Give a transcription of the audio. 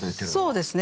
そうですね。